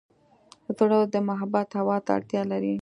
زړه د محبت هوا ته اړتیا لري.